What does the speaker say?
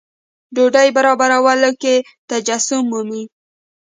ډوډۍ برابرولو کې تجسم مومي.